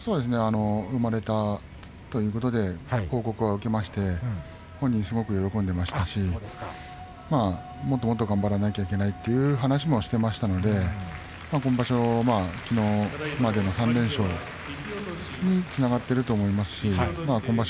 生まれたということでいい報告を受けまして本人、すごく喜んでいましたしもっともっと頑張らなきゃいけないという話もしていましたので今場所、きのうまでの３連勝につながっていると思いますし今場所